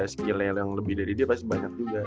skill yang lebih dari dia pasti banyak juga